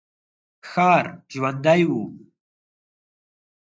ښار ژوندی و.